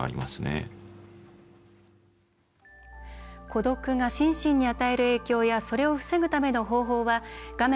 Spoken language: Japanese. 孤独が心身に与える影響やそれを防ぐための方法は画面